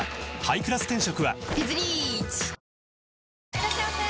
いらっしゃいませ！